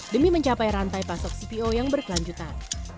demi mencapai rantai pasok cpo yang berkelanjutan